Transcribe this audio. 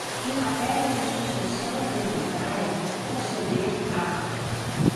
em matéria de sucessão hereditária, proceder à